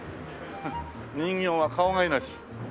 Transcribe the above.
「人形は顔がいのち」。